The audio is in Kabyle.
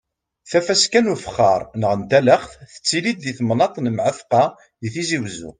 Tafaska n ufexxaṛ neɣ n talaxt tettili-d di temnaḍt n Mɛatqa di Tizi Wezzu.